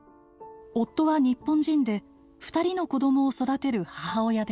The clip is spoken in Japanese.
夫は日本人で２人の子どもを育てる母親です。